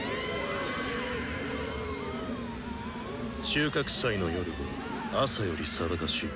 収穫祭の夜は朝より騒がしい。